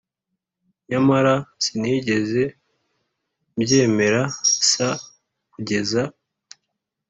Nyamara sinigeze mbyemera s kugeza